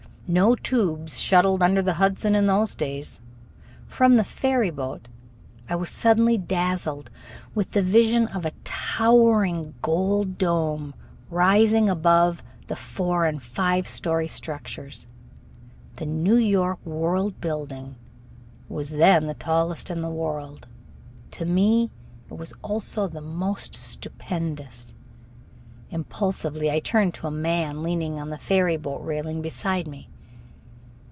No tubes shuttled under the Hudson in those days. From the ferry boat I was suddenly dazzled with the vision of a towering gold dome rising above the four and five story structures. The New York World building was then the tallest in the world. To me it was also the most stupendous. Impulsively I turned to a man leaning on the ferry boat railing beside me.